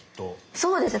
そうですね。